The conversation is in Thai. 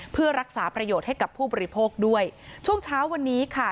เพื่อรักษาประโยชน์ให้กับผู้บริโภคด้วยช่วงเช้าวันนี้ค่ะ